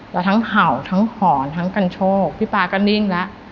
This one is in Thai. แล้วทั้งเห่าทั้งหอนทั้งกันโชคพี่ป๊าก็นิ่งแล้ว